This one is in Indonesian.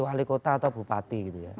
wali kota atau bupati